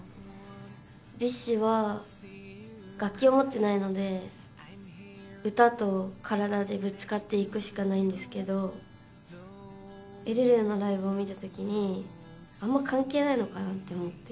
ＢｉＳＨは楽器を持ってないので歌と体でぶつかっていくしかないんですけどエルレのライブを見た時にあんま関係ないのかなって思って。